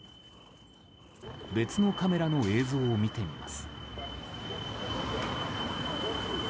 別のカメラの映像を見てみます。